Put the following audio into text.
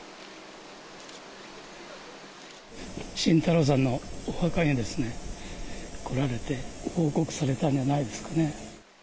晋太郎さんのお墓に来られて、報告されたんじゃないですかね。